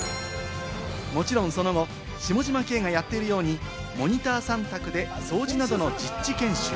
もちろんその後、下嶋兄がやっているようにモニターさん宅で掃除などの実地研修。